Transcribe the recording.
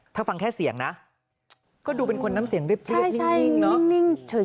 ถ้าฟังแค่เสียงนะก็ดูเป็นคนน้ำเสียงเรียบนิ่งเนอะ